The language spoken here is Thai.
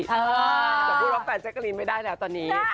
แต่พูดว่าแฟนแจ๊กกะลีนไม่ได้แล้วตอนนี้